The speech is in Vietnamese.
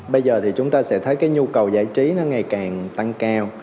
bây giờ thì chúng ta sẽ thấy cái nhu cầu giải trí nó ngày càng tăng cao